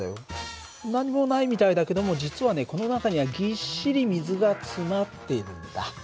何もないみたいだけども実はねこの中にはぎっしり水が詰まってるんだ。